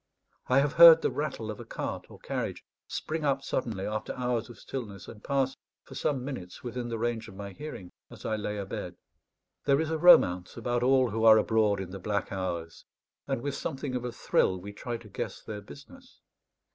I have heard the rattle of a cart or carriage spring up suddenly after hours of stillness, and pass, for some minutes, within the range of my hearing as I lay abed. There is a romance about all who are abroad in the black hours, and with something of a thrill we try to guess their business.